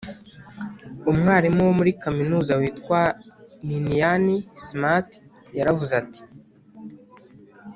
umwarimu wo muri kaminuza witwa ninian smart yaravuze ati